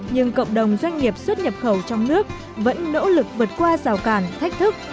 nhưng cộng đồng doanh nghiệp xuất nhập khẩu trong nước vẫn nỗ lực vượt qua rào cản thách thức